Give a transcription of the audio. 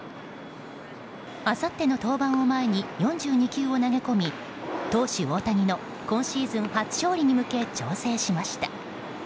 あさっての登板を前に４２球を投げ込み投手・大谷の今シーズン初勝利に向け調整しました。